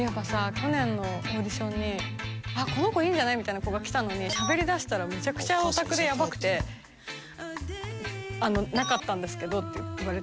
去年のオーディションにこの子いいんじゃない？みたいな子が来たのにしゃべりだしたらめちゃくちゃオタクでやばくてなかったんですけど」って言われて。